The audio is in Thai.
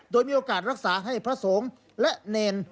โดยมีโอกาสรักษาให้พระสงฆ์และเนร